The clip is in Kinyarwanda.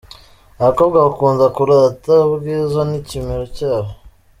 Abakobwa bakunda kurata Ubwiza n’Ikimero cyabo.